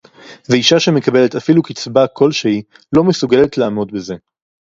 ואשה שמקבלת אפילו קצבה כלשהי לא מסוגלת לעמוד בזה